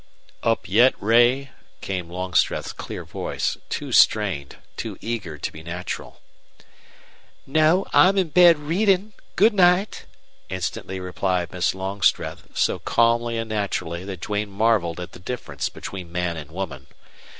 "Up yet, Ray?" came Longstreth's clear voice, too strained, too eager to be natural. "No. I'm in bed reading. Good night," instantly replied Miss Longstreth, so calmly and naturally that Duane marveled at the difference between man and woman.